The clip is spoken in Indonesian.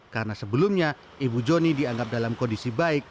karena sebelumnya ibu joni dianggap dalam kondisi baik